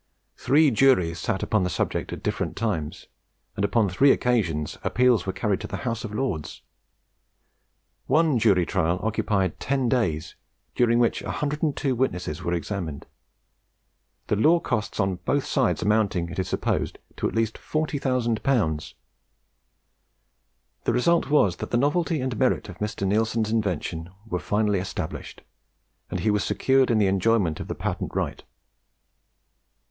Three juries sat upon the subject at different times, and on three occasions appeals were carried to the House of Lords. One jury trial occupied ten days, during which a hundred and two witnesses were examined; the law costs on both sides amounting, it is supposed, to at least 40,000L. The result was, that the novelty and merit of Mr. Neilson's invention were finally established, and he was secured in the enjoyment of the patent right.